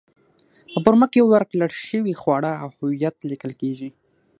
په فورمه کې ورکړل شوي خواړه او هویت لیکل کېږي.